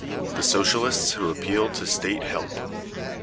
The Socialists who appeal to state help.